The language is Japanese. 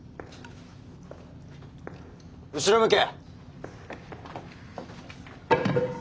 後ろ向け。